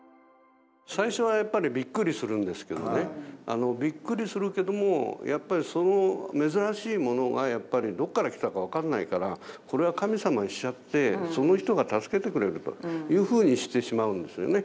最初はやっぱりびっくりするんですけどねびっくりするけどもやっぱりその珍しいものがやっぱりどこから来たか分かんないからこれは神様にしちゃってその人が助けてくれるというふうにしてしまうんですよね。